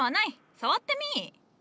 触ってみい。